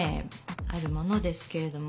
あるものですけれども。